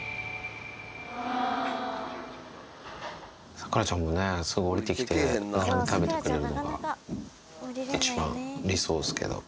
サクラちゃんもね、すぐ下りてきて一緒に食べてくれるのが、一番理想っすけど。